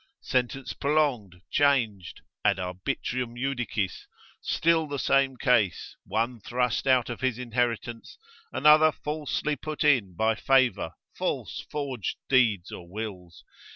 Sentence prolonged, changed, ad arbitrium judicis, still the same case, one thrust out of his inheritance, another falsely put in by favour, false forged deeds or wills.